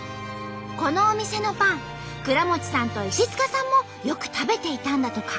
このお店のパン倉持さんと石塚さんもよく食べていたんだとか。